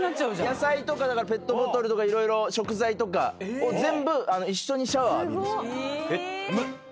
野菜とかペットボトルとか色々食材とかを全部一緒にシャワー浴びるんですよ。